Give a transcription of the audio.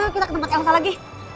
kita ke tempat yang sama lagi